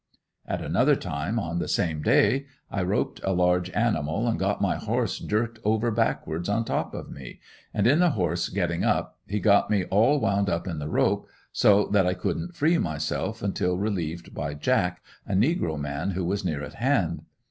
At another time, on the same day, I roped a large animal and got my horse jerked over backwards on top of me and in the horse getting up he got me all wound up in the rope, so that I couldn't free myself until relieved by "Jack" a negro man who was near at hand.